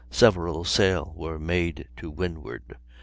several sail were made to windward.